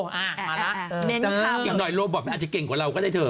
มาละอีกหน่อยโลบอทมันอาจจะเก่งกว่าเราก็ได้เธอ